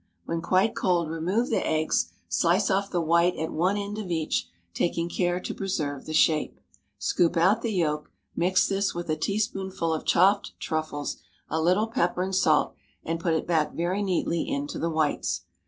When quite cold remove the eggs; slice off the white at one end of each, taking care to preserve the shape. Scoop out the yolk; mix this with a teaspoonful of chopped truffles, a little pepper and salt, and put it back very neatly into the whites.